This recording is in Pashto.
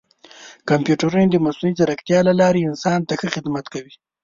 کمپیوټرونه د مصنوعي ځیرکتیا له لارې انسان ته ښه خدمت کوي.